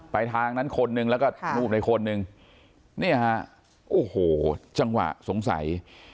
ทางนั้นคนนึงแล้วก็นุ่มในคนนึงเนี่ยฮะโอ้โหจังหวะสงสัย